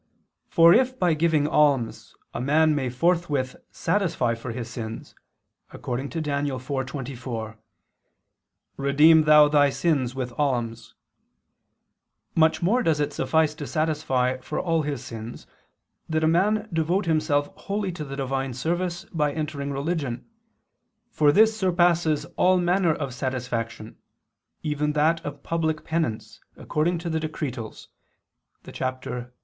For if by giving alms a man may forthwith satisfy for his sins, according to Dan. 4:24, "Redeem thou thy sins with alms," much more does it suffice to satisfy for all his sins that a man devote himself wholly to the divine service by entering religion, for this surpasses all manner of satisfaction, even that of public penance, according to the Decretals (XXXIII, qu. i, cap.